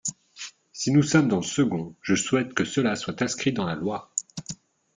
Si nous sommes dans le second, je souhaite que cela soit inscrit dans la loi.